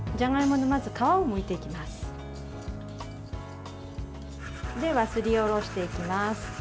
では、すりおろしていきます。